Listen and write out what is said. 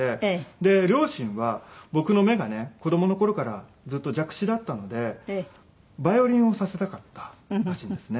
で両親は僕の目がね子供の頃からずっと弱視だったのでヴァイオリンをさせたかったらしいんですね。